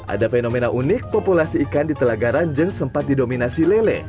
ada fenomena unik populasi ikan di telaga ranjeng sempat didominasi lele